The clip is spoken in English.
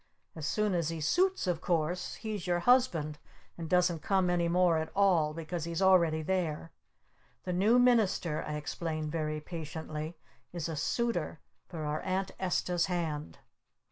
As soon as he suits, of course, he's your husband and doesn't come any more at all because he's already there! The New Minister," I explained very patiently, "is a Suitor for our Aunt Esta's hand!"